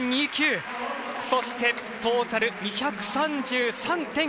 そして、トータル２３３．１３。